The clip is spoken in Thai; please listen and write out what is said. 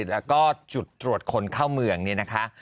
แล้วก็จุดตรวจคนเข้าเมืองเนี่ยนะคะ